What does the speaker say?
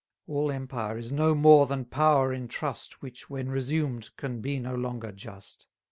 410 All empire is no more than power in trust, Which, when resumed, can be no longer just.